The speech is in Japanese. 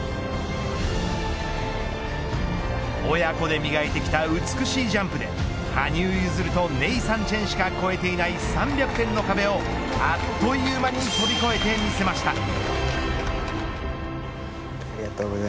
親子で磨いてきた美しいジャンプで羽生結弦とネイサン・チェンしか超えていない３００点の壁をあっという間に飛び越えてみせました。